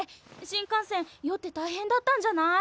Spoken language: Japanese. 新幹線酔って大変だったんじゃない？